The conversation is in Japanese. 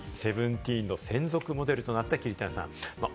雑誌『Ｓｅｖｅｎｔｅｅｎ』の専属モデルとなった桐谷さん。